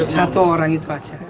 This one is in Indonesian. satu orang itu saja